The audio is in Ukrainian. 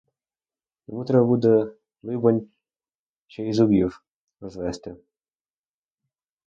Йому треба буде, либонь, ще і зубів розвести.